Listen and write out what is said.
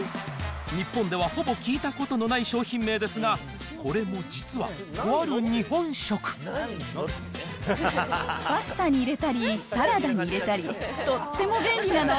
日本ではほぼ聞いたことのない商品名ですが、これも実は、パスタに入れたり、サラダに入れたり、とっても便利なの。